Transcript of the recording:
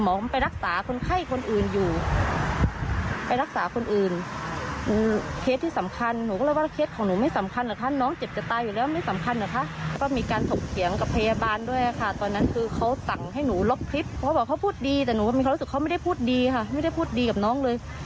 ไม่ได้พูดดีกับน้องเลยอันนี้หนูอยากจะให้พยาบาลคนนี้มาขอคำมาน้อง